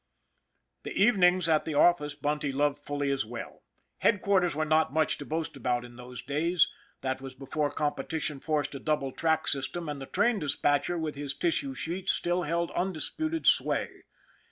The evenings at the office Bunty loved fully as well. Headquarters were not much to boast about in those days. That was before competition forced a double track system, and the train dispatcher, with his tissue sheets, still held undisputed sway.